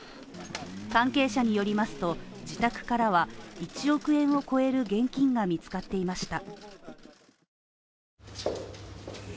関係者によりますと、自宅からは、１億円を超える現金が見つかっていました。